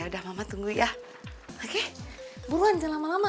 udah mama tunggu ya oke buruan udah lama lama